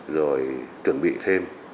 rồi chuẩn bị thêm